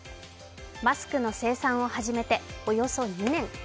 マスクの生産を始めておよそ２年。